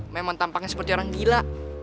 memang tampaknya seperti orang gila